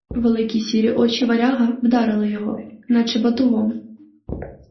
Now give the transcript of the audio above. Великі сірі очі варяга вдарили його, наче батогом.